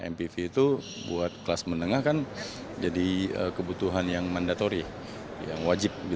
mpv itu buat kelas menengah kan jadi kebutuhan yang mandatori yang wajib